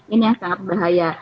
ini yang sangat berbahaya